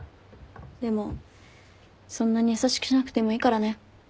でもそんなに優しくしなくてもいいからね。